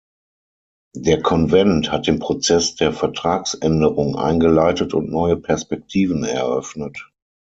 Der Konvent hat den Prozess der Vertragsänderung eingeleitet und neue Perspektiven eröffnet.